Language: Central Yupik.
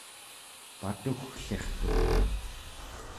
patugglirtuq